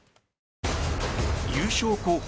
優勝候補